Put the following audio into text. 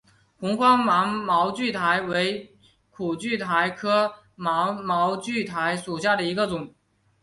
红花芒毛苣苔为苦苣苔科芒毛苣苔属下的一个种。